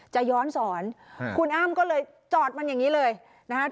ย้อนสอนคุณอ้ำก็เลยจอดมันอย่างนี้เลยนะฮะ